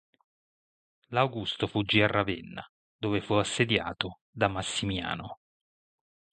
L'augusto fuggì a Ravenna, dove fu assediato da Massimiano.